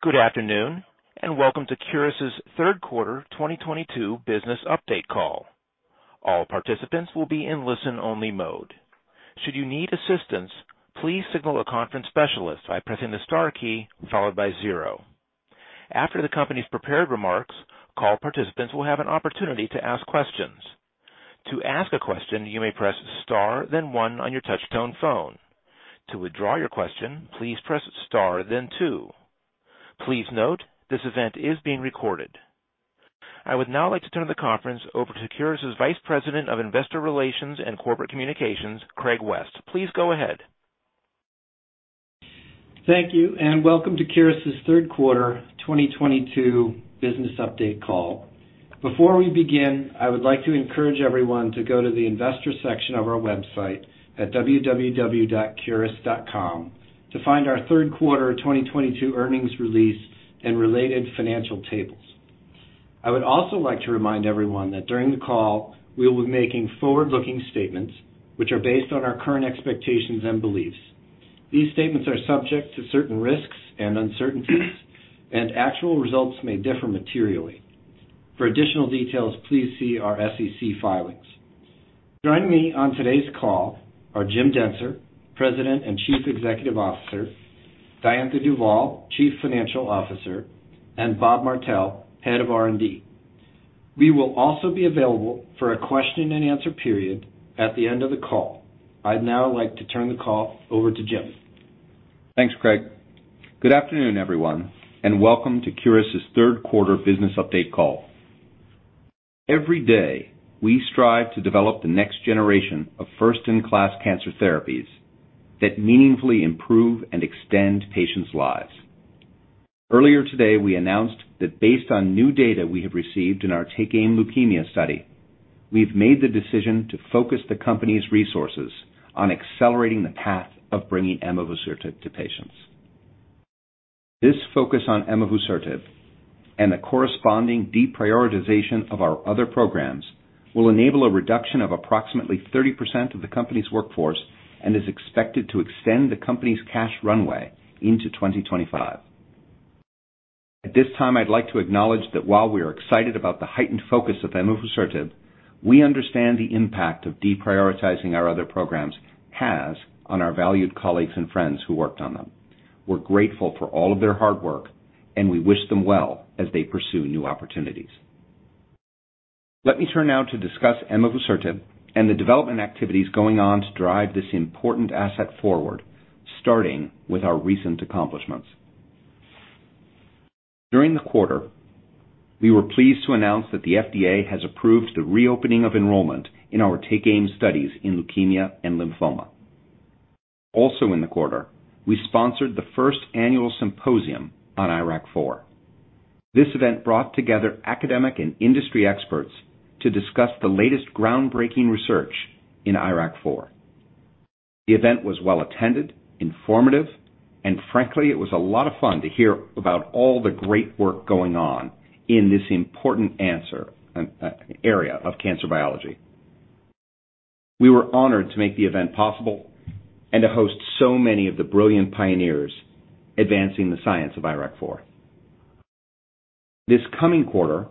Good afternoon, and welcome to Curis' third quarter 2022 business update call. All participants will be in listen-only mode. Should you need assistance, please signal a conference specialist by pressing the star key followed by zero. After the company's prepared remarks, call participants will have an opportunity to ask questions. To ask a question, you may press star then one on your touchtone phone. To withdraw your question, please press star then two. Please note, this event is being recorded. I would now like to turn the conference over to Curis' Vice President of Investor Relations and Corporate Communications, Craig West. Please go ahead. Thank you, and welcome to Curis' third quarter 2022 business update call. Before we begin, I would like to encourage everyone to go to the investor section of our website at www.curis.com to find our third quarter of 2022 earnings release and related financial tables. I would also like to remind everyone that during the call, we will be making forward-looking statements which are based on our current expectations and beliefs. These statements are subject to certain risks and uncertainties, and actual results may differ materially. For additional details, please see our SEC filings. Joining me on today's call are Jim Dentzer, President and Chief Executive Officer, Diantha Duvall, Chief Financial Officer, and Bob Martell, Head of R&D. We will also be available for a question-and-answer period at the end of the call. I'd now like to turn the call over to Jim. Thanks, Craig. Good afternoon, everyone, and welcome to Curis' third quarter business update call. Every day, we strive to develop the next generation of first-in-class cancer therapies that meaningfully improve and extend patients' lives. Earlier today, we announced that based on new data we have received in our Take Aim Leukemia study, we've made the decision to focus the company's resources on accelerating the path of bringing emavusertib to patients. This focus on emavusertib and the corresponding deprioritization of our other programs will enable a reduction of approximately 30% of the company's workforce and is expected to extend the company's cash runway into 2025. At this time, I'd like to acknowledge that while we are excited about the heightened focus of emavusertib, we understand the impact of deprioritizing our other programs has on our valued colleagues and friends who worked on them. We're grateful for all of their hard work, and we wish them well as they pursue new opportunities. Let me turn now to discuss emavusertib and the development activities going on to drive this important asset forward, starting with our recent accomplishments. During the quarter, we were pleased to announce that the FDA has approved the reopening of enrollment in our Take Aim studies in leukemia and lymphoma. Also in the quarter, we sponsored the first annual symposium on IRAK4. This event brought together academic and industry experts to discuss the latest groundbreaking research in IRAK4. The event was well-attended, informative, and frankly, it was a lot of fun to hear about all the great work going on in this important area of cancer biology. We were honored to make the event possible and to host so many of the brilliant pioneers advancing the science of IRAK4. This coming quarter,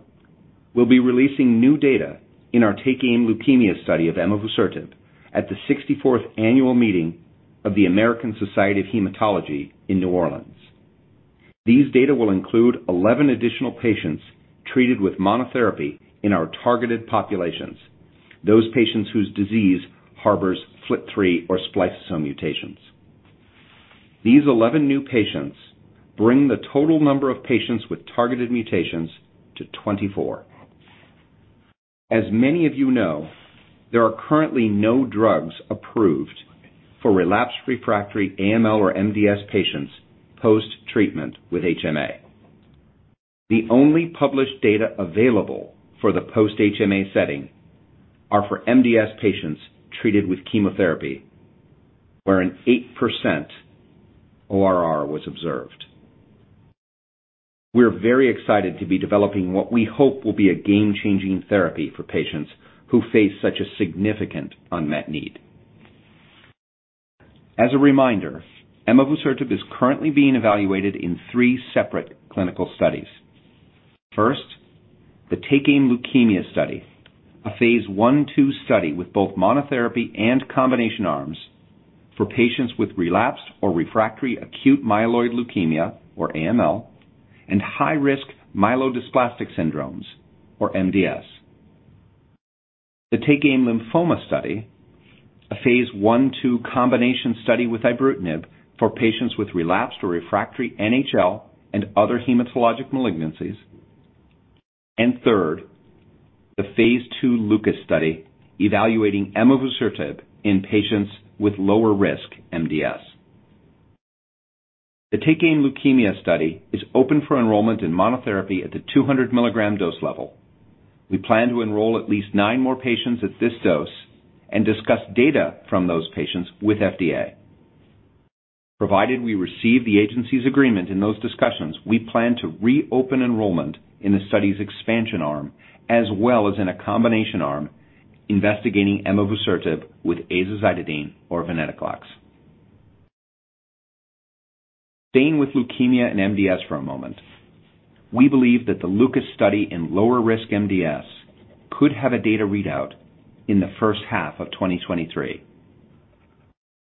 we'll be releasing new data in our Take Aim Leukemia study of emavusertib at the 64th annual meeting of the American Society of Hematology in New Orleans. These data will include 11 additional patients treated with monotherapy in our targeted populations, those patients whose disease harbors FLT3 or spliceosome mutations. These 11 new patients bring the total number of patients with targeted mutations to 24. As many of you know, there are currently no drugs approved for relapsed refractory AML or MDS patients post-treatment with HMA. The only published data available for the post-HMA setting are for MDS patients treated with chemotherapy, where an 8% ORR was observed. We're very excited to be developing what we hope will be a game-changing therapy for patients who face such a significant unmet need. As a reminder, emavusertib is currently being evaluated in three separate clinical studies. First, the Take Aim Leukemia study, a phase 1/2 study with both monotherapy and combination arms for patients with relapsed or refractory acute myeloid leukemia, or AML, and high-risk myelodysplastic syndromes, or MDS. The Take Aim Lymphoma study, a phase 1/2 combination study with ibrutinib for patients with relapsed or refractory NHL and other hematologic malignancies. Third, the phase 2 LUCAS study evaluating emavusertib in patients with lower risk MDS. The Take Aim Leukemia study is open for enrollment in monotherapy at the 200 mg dose level. We plan to enroll at least nine more patients at this dose and discuss data from those patients with FDA. Provided we receive the agency's agreement in those discussions, we plan to reopen enrollment in the study's expansion arm as well as in a combination arm investigating emavusertib with azacitidine or venetoclax. Staying with leukemia and MDS for a moment, we believe that the LUCAS study in lower risk MDS could have a data readout in the first half of 2023.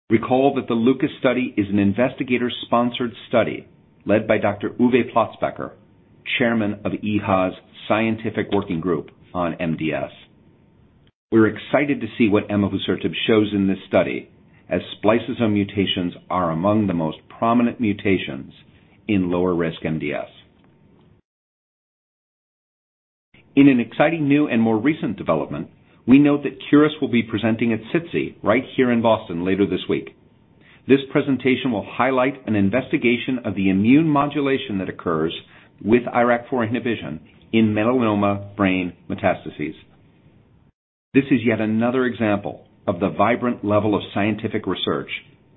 Recall that the LUCAS study is an investigator-sponsored study led by Dr. Uwe Platzbecker, chairman of EHA's Scientific Working Group on MDS. We're excited to see what emavusertib shows in this study, as spliceosome mutations are among the most prominent mutations in lower risk MDS. In an exciting new and more recent development, we note that Curis will be presenting at SITC right here in Boston later this week. This presentation will highlight an investigation of the immune modulation that occurs with IRAK4 inhibition in melanoma brain metastases. This is yet another example of the vibrant level of scientific research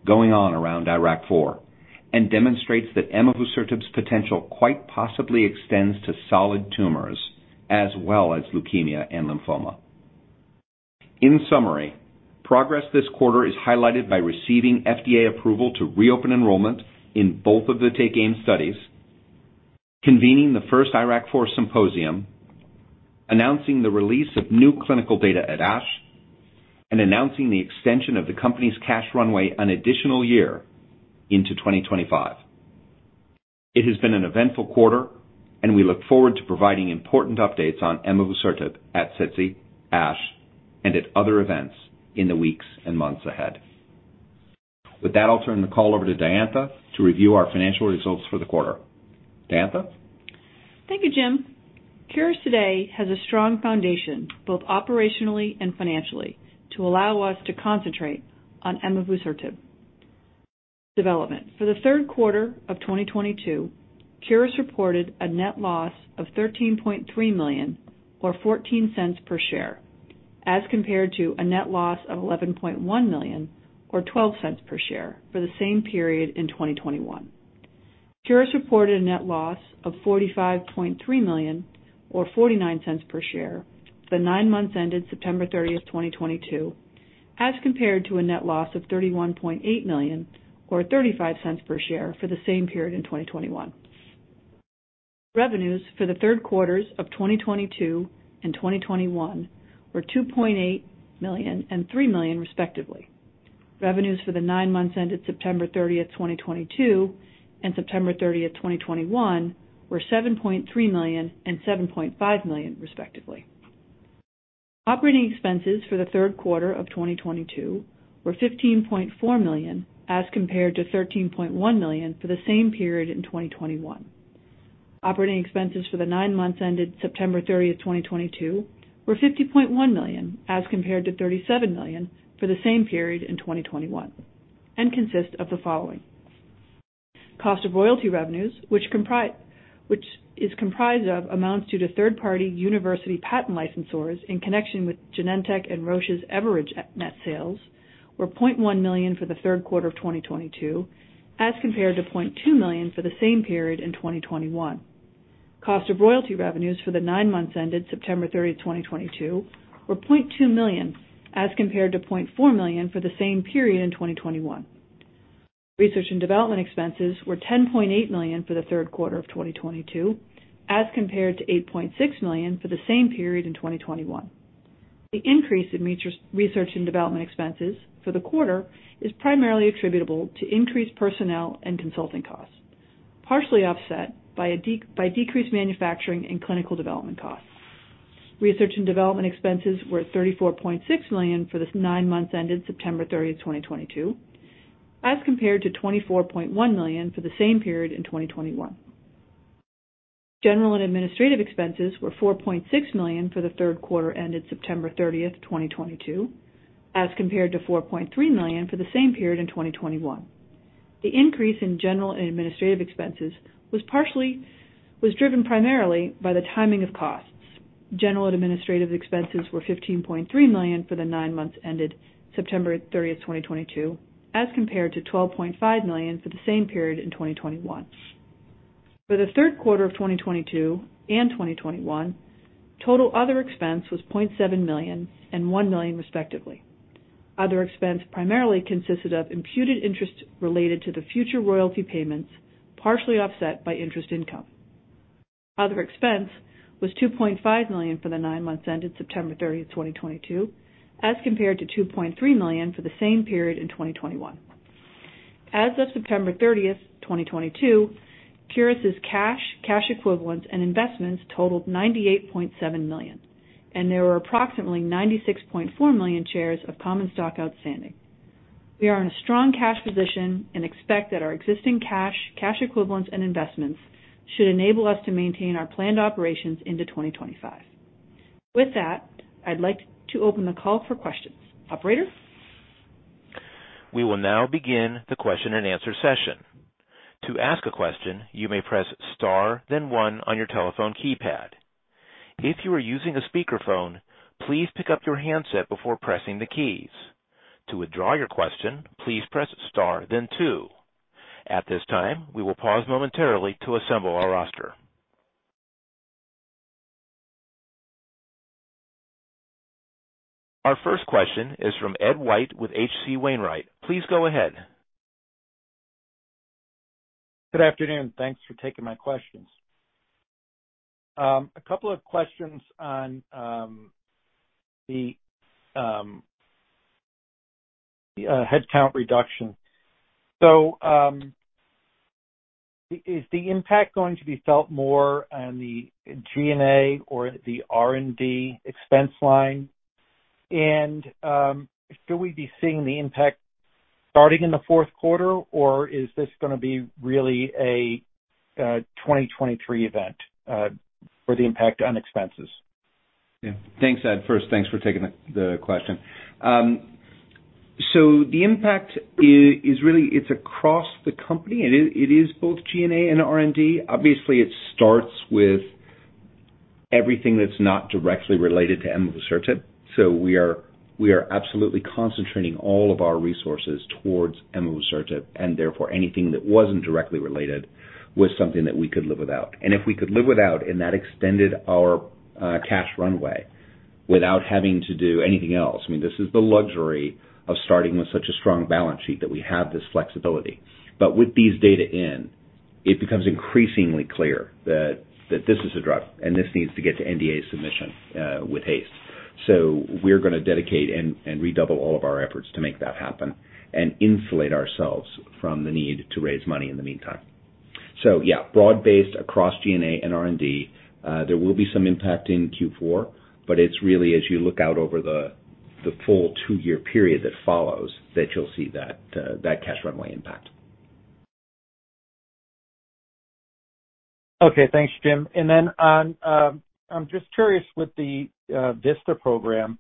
going on around IRAK4 and demonstrates that emavusertib's potential quite possibly extends to solid tumors as well as leukemia and lymphoma. In summary, progress this quarter is highlighted by receiving FDA approval to reopen enrollment in both of the Take Aim studies, convening the first IRAK4 symposium, announcing the release of new clinical data at ASH, and announcing the extension of the company's cash runway an additional year into 2025. It has been an eventful quarter, and we look forward to providing important updates on emavusertib at SITC, ASH, and at other events in the weeks and months ahead. With that, I'll turn the call over to Diantha to review our financial results for the quarter. Diantha? Thank you, Jim. Curis today has a strong foundation, both operationally and financially, to allow us to concentrate on emavusertib development. For the third quarter of 2022, Curis reported a net loss of $13.3 million or $0.14 per share, as compared to a net loss of $11.1 million or $0.12 per share for the same period in 2021. Curis reported a net loss of $45.3 million or $0.49 per share for the nine months ended September 30, 2022, as compared to a net loss of $31.8 million or $0.35 per share for the same period in 2021. Revenues for the third quarters of 2022 and 2021 were $2.8 million and $3 million, respectively. Revenues for the nine months ended September 30, 2022 and September 30, 2021 were $7.3 million and $7.5 million, respectively. Operating expenses for the third quarter of 2022 were $15.4 million, as compared to $13.1 million for the same period in 2021. Operating expenses for the nine months ended September 30, 2022 were $50.1 million, as compared to $37 million for the same period in 2021, and consist of the following. Cost of royalty revenues, which is comprised of amounts due to third party university patent licensors in connection with Genentech and Roche's Erivedge net sales were $0.1 million for the third quarter of 2022 as compared to $0.2 million for the same period in 2021. Cost of royalty revenues for the nine months ended September 30, 2022 were $0.2 million, as compared to $0.4 million for the same period in 2021. Research and development expenses were $10.8 million for the third quarter of 2022, as compared to $8.6 million for the same period in 2021. The increase in research and development expenses for the quarter is primarily attributable to increased personnel and consulting costs, partially offset by decreased manufacturing and clinical development costs. Research and development expenses were $34.6 million for the nine months ended September 30, 2022, as compared to $24.1 million for the same period in 2021. General and administrative expenses were $4.6 million for the third quarter ended September thirtieth, 2022, as compared to $4.3 million for the same period in 2021. The increase in general and administrative expenses was driven primarily by the timing of costs. General and administrative expenses were $15.3 million for the nine months ended September thirtieth, 2022, as compared to $12.5 million for the same period in 2021. For the third quarter of 2022 and 2021, total other expense was $0.7 million and $1 million, respectively. Other expense primarily consisted of imputed interest related to the future royalty payments, partially offset by interest income. Other expense was $2.5 million for the nine months ended September thirtieth, 2022, as compared to $2.3 million for the same period in 2021. As of September 30, 2022, Curis' cash equivalents, and investments totaled $98.7 million, and there were approximately 96.4 million shares of common stock outstanding. We are in a strong cash position and expect that our existing cash equivalents, and investments should enable us to maintain our planned operations into 2025. With that, I'd like to open the call for questions. Operator? We will now begin the question and answer session. To ask a question, you may press star then one on your telephone keypad. If you are using a speakerphone, please pick up your handset before pressing the keys. To withdraw your question, please press star then two. At this time, we will pause momentarily to assemble our roster. Our first question is from Ed White with H.C. Wainwright & Co. Please go ahead. Good afternoon. Thanks for taking my questions. A couple of questions on the headcount reduction. Is the impact going to be felt more on the G&A or the R&D expense line? Should we be seeing the impact starting in the fourth quarter, or is this gonna be really a 2023 event for the impact on expenses? Yeah. Thanks, Ed. First, thanks for taking the question. The impact is really, it's across the company, and it is both G&A and R&D. Obviously, it starts with everything that's not directly related to emavusertib. We are absolutely concentrating all of our resources towards emavusertib, and therefore, anything that wasn't directly related was something that we could live without. If we could live without, and that extended our cash runway without having to do anything else, I mean, this is the luxury of starting with such a strong balance sheet that we have this flexibility. With these data in, it becomes increasingly clear that this is a drug, and this needs to get to NDA submission with haste. We're gonna dedicate and redouble all of our efforts to make that happen and insulate ourselves from the need to raise money in the meantime. Yeah, broad-based across G&A and R&D. There will be some impact in Q4, but it's really as you look out over the full two-year period that follows that you'll see that that cash runway impact. Okay. Thanks, Jim. I'm just curious with the VISTA program.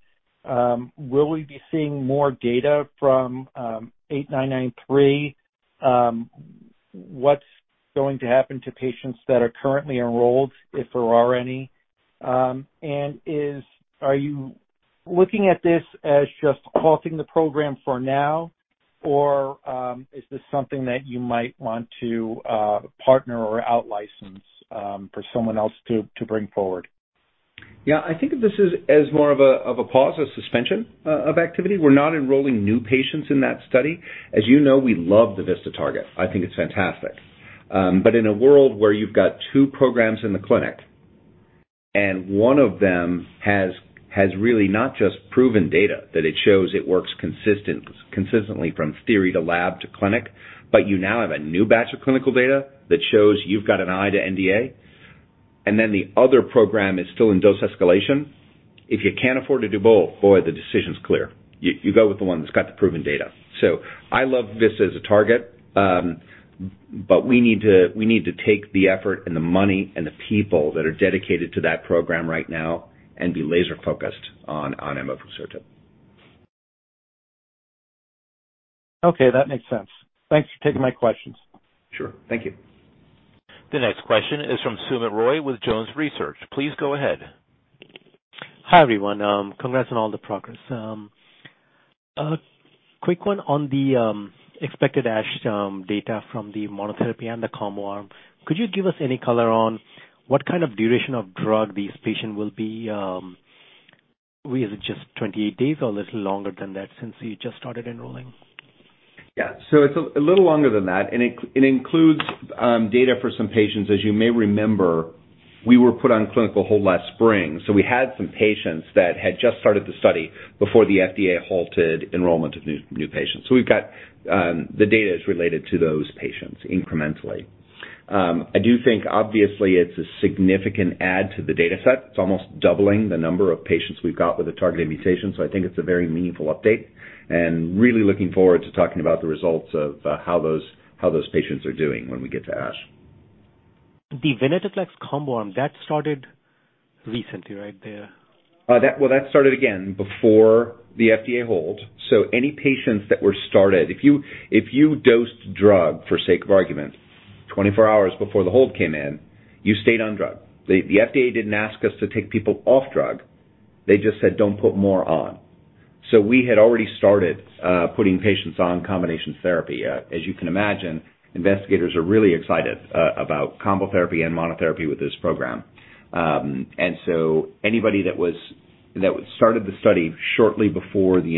Will we be seeing more data from CI-8993? What's going to happen to patients that are currently enrolled, if there are any? And are you looking at this as just halting the program for now, or is this something that you might want to partner or out-license for someone else to bring forward? Yeah. I think of this as more of a pause or suspension of activity. We're not enrolling new patients in that study. As you know, we love the VISTA target. I think it's fantastic. In a world where you've got two programs in the clinic, and one of them has really not just proven data that it shows it works consistently from theory to lab to clinic, but you now have a new batch of clinical data that shows you've got an eye to NDA, and then the other program is still in dose escalation. If you can't afford to do both, boy, the decision's clear. You go with the one that's got the proven data. I love VISTA as a target, but we need to take the effort and the money and the people that are dedicated to that program right now and be laser-focused on emavusertib. Okay, that makes sense. Thanks for taking my questions. Sure. Thank you. The next question is from Sumit Roy with Jones Research. Please go ahead. Hi, everyone. Congrats on all the progress. A quick one on the expected ASH data from the monotherapy and the combo arm. Could you give us any color on what kind of duration of drug these patients will be? Is it just 28 days or a little longer than that since you just started enrolling? Yeah. It's a little longer than that, and it includes data for some patients. As you may remember, we were put on clinical hold last spring, so we had some patients that had just started the study before the FDA halted enrollment of new patients. We've got the data is related to those patients incrementally. I do think, obviously, it's a significant add to the data set. It's almost doubling the number of patients we've got with a target mutation, so I think it's a very meaningful update. Really looking forward to talking about the results of how those patients are doing when we get to ASH. The venetoclax combo arm, that started recently right there. That started, again, before the FDA hold. Any patients that were started, if you dosed drug, for sake of argument, 24 hours before the hold came in, you stayed on drug. The FDA didn't ask us to take people off drug. They just said, "Don't put more on." We had already started putting patients on combination therapy. As you can imagine, investigators are really excited about combo therapy and monotherapy with this program. Anybody that started the study shortly before the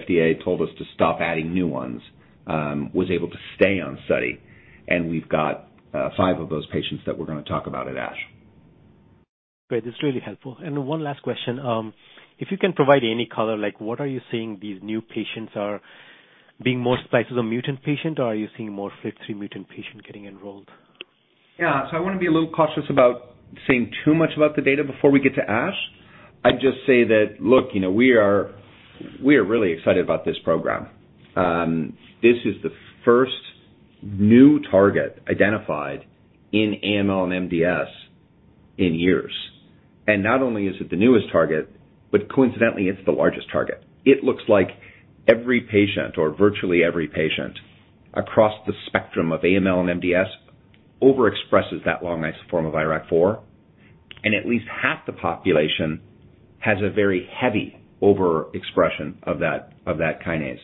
FDA told us to stop adding new ones was able to stay on study, and we've got five of those patients that we're gonna talk about at ASH. Great. This is really helpful. One last question. If you can provide any color, like what are you seeing these new patients are being more spliceosome mutant patient, or are you seeing more FLT3 mutant patient getting enrolled? Yeah. I wanna be a little cautious about saying too much about the data before we get to ASH. I'd just say that, look, you know, we are really excited about this program. This is the first new target identified in AML and MDS in years. Not only is it the newest target, but coincidentally, it's the largest target. It looks like every patient or virtually every patient across the spectrum of AML and MDS overexpresses that long isoform of IRAK4, and at least half the population has a very heavy overexpression of that kinase.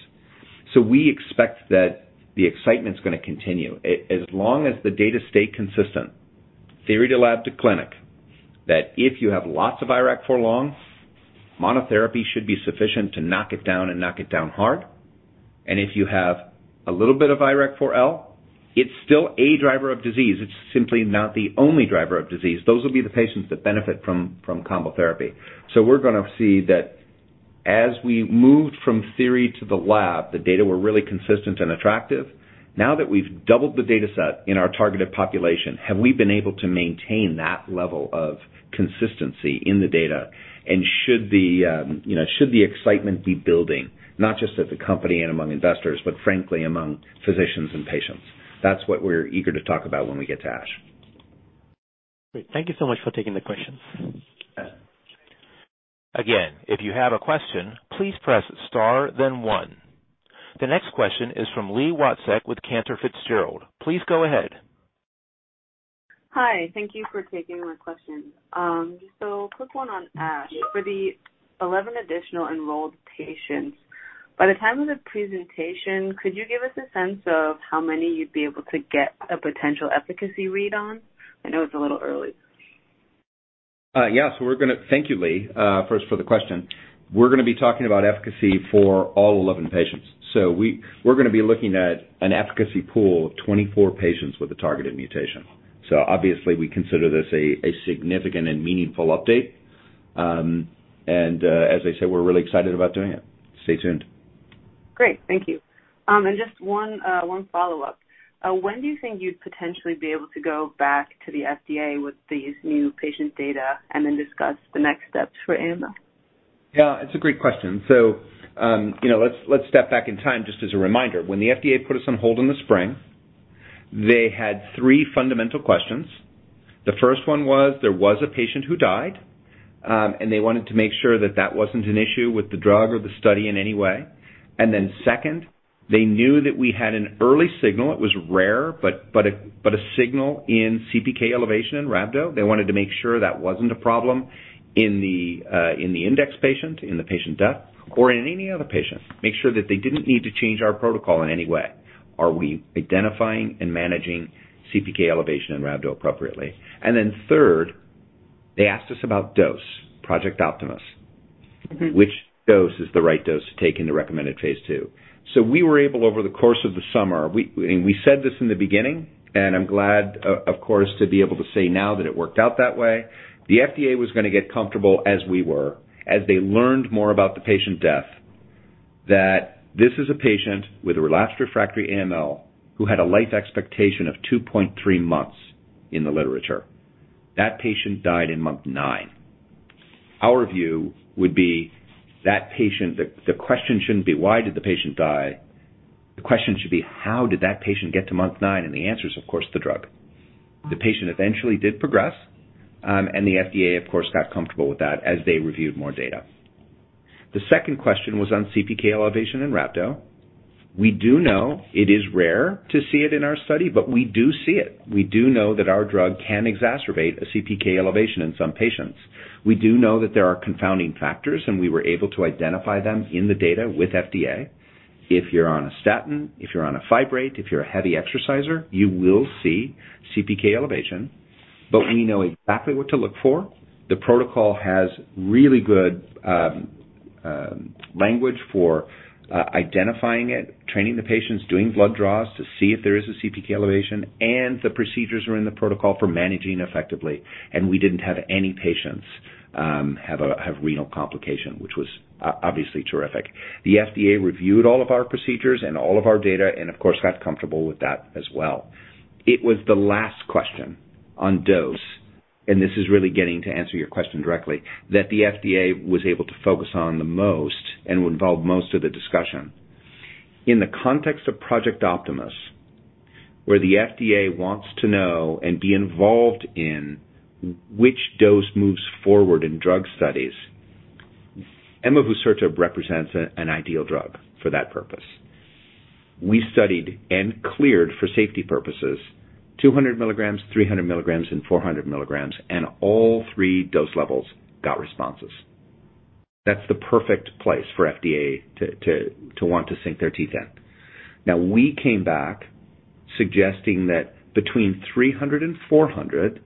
We expect that the excitement's gonna continue as long as the data stay consistent, theory to lab to clinic, that if you have lots of IRAK4 long, monotherapy should be sufficient to knock it down and knock it down hard. If you have a little bit of IRAK4-L, it's still a driver of disease, it's simply not the only driver of disease. Those will be the patients that benefit from combo therapy. We're gonna see that as we moved from theory to the lab, the data were really consistent and attractive. Now that we've doubled the data set in our targeted population, have we been able to maintain that level of consistency in the data? Should the you know excitement be building not just at the company and among investors, but frankly among physicians and patients? That's what we're eager to talk about when we get to ASH. Great. Thank you so much for taking the questions. Yeah. Again, if you have a question, please press Star then one. The next question is from Li Watsek with Cantor Fitzgerald. Please go ahead. Hi. Thank you for taking my question. Quick one on ASH. For the 11 additional enrolled patients, by the time of the presentation, could you give us a sense of how many you'd be able to get a potential efficacy read on? I know it's a little early. Thank you, Lee, first for the question. We're gonna be talking about efficacy for all 11 patients. We're gonna be looking at an efficacy pool of 24 patients with a targeted mutation. Obviously we consider this a significant and meaningful update. And as I said, we're really excited about doing it. Stay tuned. Great. Thank you. Just one follow-up. When do you think you'd potentially be able to go back to the FDA with these new patient data and then discuss the next steps for emavusertib? Yeah, it's a great question. You know, let's step back in time just as a reminder. When the FDA put us on hold in the spring, they had three fundamental questions. The first one was, there was a patient who died, and they wanted to make sure that that wasn't an issue with the drug or the study in any way. Second, they knew that we had an early signal. It was rare, but a signal in CPK elevation in rhabdo. They wanted to make sure that wasn't a problem in the index patient, in the patient death or in any other patient. Make sure that they didn't need to change our protocol in any way. Are we identifying and managing CPK elevation in rhabdo appropriately? Third, they asked us about dose, Project Optimus. Mm-hmm. Which dose is the right dose to take into recommended phase 2. We were able over the course of the summer, and we said this in the beginning, and I'm glad, of course, to be able to say now that it worked out that way. The FDA was gonna get comfortable as we were, as they learned more about the patient death, that this is a patient with a relapsed refractory AML, who had a life expectancy of 2.3 months in the literature. That patient died in month 9. Our view would be that patient. The question shouldn't be why did the patient die? The question should be how did that patient get to month 9? The answer is, of course, the drug. The patient eventually did progress, and the FDA, of course, got comfortable with that as they reviewed more data. The second question was on CPK elevation in rhabdo. We do know it is rare to see it in our study, but we do see it. We do know that our drug can exacerbate a CPK elevation in some patients. We do know that there are confounding factors, and we were able to identify them in the data with FDA. If you're on a statin, if you're on a fibrate, if you're a heavy exerciser, you will see CPK elevation. But we know exactly what to look for. The protocol has really good language for identifying it, training the patients, doing blood draws to see if there is a CPK elevation, and the procedures are in the protocol for managing effectively. We didn't have any patients have a renal complication, which was obviously terrific. The FDA reviewed all of our procedures and all of our data and of course got comfortable with that as well. It was the last question on dose, and this is really getting to answer your question directly, that the FDA was able to focus on the most and would involve most of the discussion. In the context of Project Optimus, where the FDA wants to know and be involved in which dose moves forward in drug studies, emavusertib represents an ideal drug for that purpose. We studied and cleared, for safety purposes, 200 milligrams, 300 milligrams, and 400 milligrams, and all three dose levels got responses. That's the perfect place for FDA to want to sink their teeth in. Now, we came back suggesting that between 300 and 400,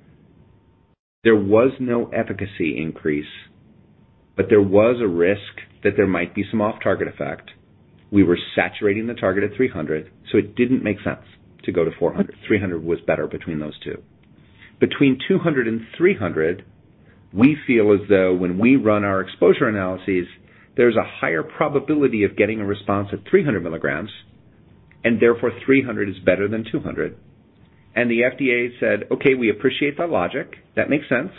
there was no efficacy increase, but there was a risk that there might be some off-target effect. We were saturating the target at 300, so it didn't make sense to go to 400. 300 was better between those two. Between 200 and 300, we feel as though when we run our exposure analyses, there's a higher probability of getting a response at 300 milligrams, and therefore 300 is better than 200. The FDA said, "Okay, we appreciate the logic. That makes sense.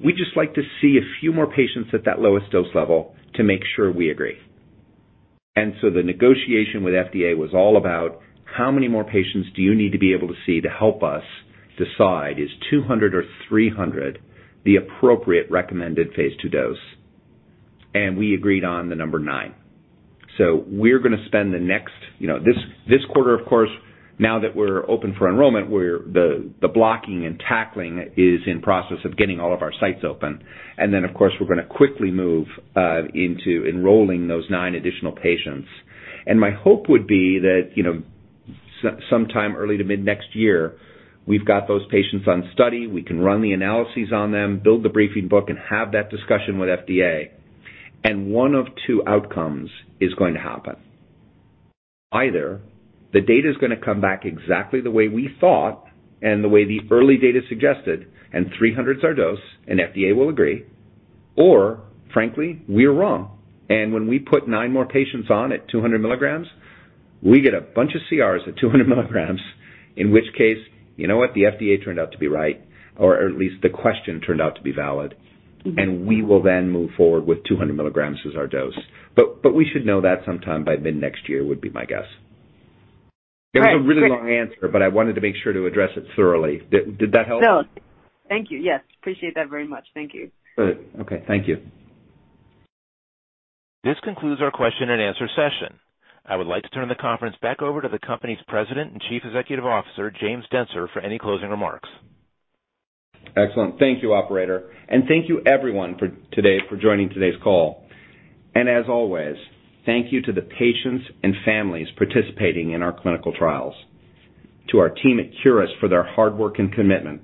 We'd just like to see a few more patients at that lowest dose level to make sure we agree. The negotiation with FDA was all about how many more patients do you need to be able to see to help us decide, is 200 or 300 the appropriate recommended phase 2 dose? We agreed on the number 9. We're gonna spend the next, you know, this quarter of course, now that we're open for enrollment. The blocking and tackling is in process of getting all of our sites open. Then of course we're gonna quickly move into enrolling those 9 additional patients. My hope would be that, you know, sometime early to mid next year, we've got those patients on study, we can run the analyses on them, build the briefing book and have that discussion with FDA. One of two outcomes is going to happen. Either the data's gonna come back exactly the way we thought and the way the early data suggested, and 300's our dose and FDA will agree, or frankly, we're wrong, and when we put 9 more patients on at 200 milligrams, we get a bunch of CRs at 200 milligrams, in which case, you know what? The FDA turned out to be right, or at least the question turned out to be valid. We will then move forward with 200 milligrams as our dose. We should know that sometime by mid-next year would be my guess. Right. Great. It was a really long answer, but I wanted to make sure to address it thoroughly. Did that help? No. Thank you. Yes. Appreciate that very much. Thank you. Good. Okay. Thank you. This concludes our question and answer session. I would like to turn the conference back over to the company's President and Chief Executive Officer, James Dentzer, for any closing remarks. Excellent. Thank you, operator. Thank you everyone for today for joining today's call. As always, thank you to the patients and families participating in our clinical trials, to our team at Curis for their hard work and commitment,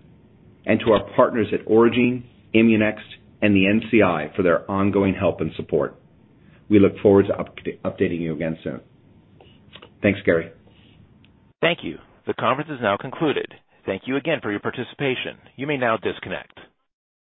and to our partners at Aurigene, ImmuNext, and the NCI for their ongoing help and support. We look forward to updating you again soon. Thanks, Gary. Thank you. The conference is now concluded. Thank you again for your participation. You may now disconnect.